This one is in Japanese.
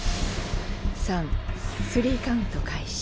３３カウント開始。